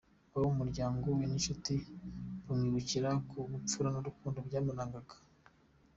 Abo mu muryango we n’inshuti bamwibukira ku bupfura n’urukundo byamurangaga.